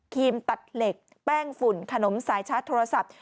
ครีมตัดเหล็กแป้งฝุ่นขนมสายชัดโทรศัพท์